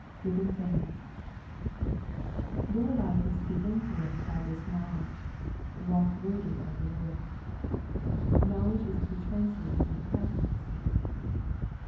giving thanksJ^ Their life is to be influenced by this knowledge —" walk worthy of the LordJ^ Knowledge is to be translated into practice.